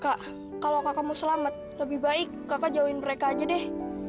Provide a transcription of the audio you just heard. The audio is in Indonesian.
kak kalau kakakmu selamat lebih baik kakak jauhin mereka aja deh